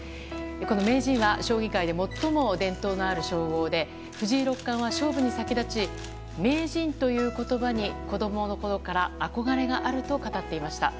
名人は将棋界で最も伝統のある称号で藤井六冠は勝負に先立ち名人という言葉に子供のころから憧れがあると語っていました。